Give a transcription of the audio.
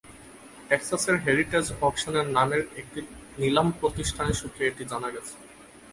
টেক্সাসের Heritage Auction নামের একটি নিলাম প্রতিষ্ঠানের সূত্রে এটি জানা গেছে।